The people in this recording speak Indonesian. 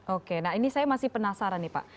oke nah ini saya masih penasaran nih pak